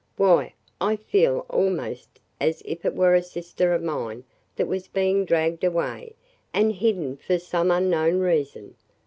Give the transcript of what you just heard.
Why, I feel almost as if it were a sister of mine that was being dragged away and hidden for some unknown reason.